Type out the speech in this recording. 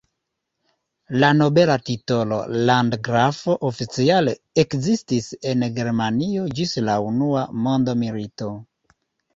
La nobela titolo "landgrafo" oficiale ekzistis en Germanio ĝis la Unua Mondmilito.